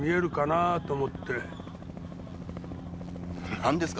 なんですか？